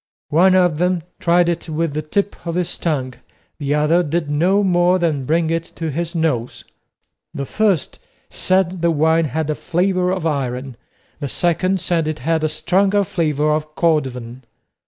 One of them tried it with the tip of his tongue, the other did no more than bring it to his nose. The first said the wine had a flavour of iron, the second said it had a stronger flavour of cordovan.